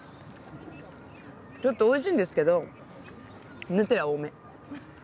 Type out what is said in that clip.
ちょっとおいしいんですけどヌテラ多め。